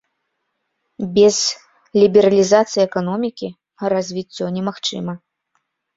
Без лібералізацыі эканомікі развіццё немагчыма.